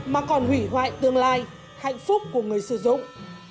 mà còn hủy hoại tương lai hạnh phúc của người sử dụng